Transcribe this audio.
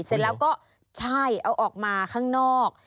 เสร็จแล้วก็ใช่เอาออกมาข้างนอก